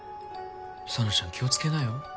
沙奈ちゃん気を付けなよ。